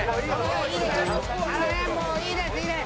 あの辺はもういいですいいです。